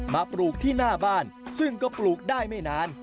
ปลูกที่หน้าบ้านซึ่งก็ปลูกได้ไม่นาน